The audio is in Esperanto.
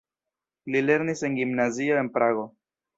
Li lernis en gimnazio en Prago.